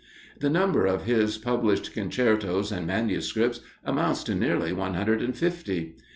The number of his published concertos and manuscripts amounts to nearly one hundred and fifty.